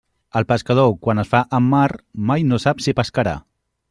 El pescador quan es fa en mar mai no sap si pescarà.